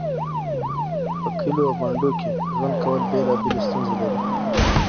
په کليو او بانډو کې ژوند کول بيلابيلې ستونزې لري